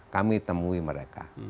kami temui mereka